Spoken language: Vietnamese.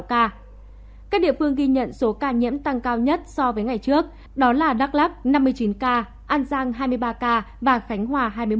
các địa phương ghi nhận số ca nhiễm tăng cao nhất so với ngày trước đó là đắk lắc năm mươi chín ca an giang hai mươi ba ca và khánh hòa hai mươi một